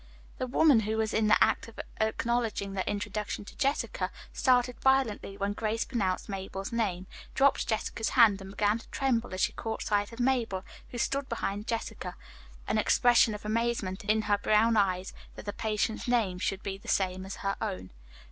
The woman who was in the act of acknowledging the introduction to Jessica started violently when Grace pronounced Mabel's name, dropped Jessica's hand and began to tremble as she caught sight of Mabel, who stood behind Jessica, an expression of amazement in her brown eyes, that the patient's name should be the same as her own.